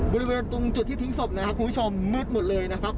บริเวณตรงจุดที่ทิ้งศพนะครับคุณผู้ชมมืดหมดเลยนะครับ